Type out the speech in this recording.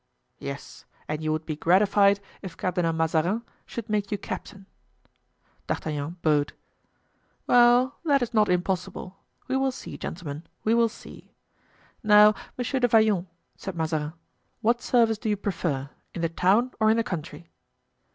"Yes, and you would be gratified if Cardinal Mazarin should make you captain." D'Artagnan bowed. "Well, that is not impossible. We will see, gentlemen, we will see. Now, Monsieur de Vallon," said Mazarin, "what service do you prefer, in the town or in the country?"